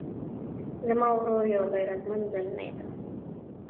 زما ورور یو غیرتمند زلمی ده